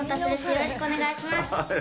よろしくお願いします。